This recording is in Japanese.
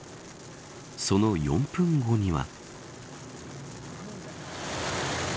その４分後には。